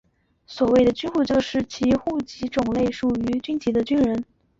所谓的军户就是其户籍种类属于军籍的军人。